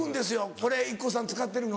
「これＩＫＫＯさん使ってるの？」。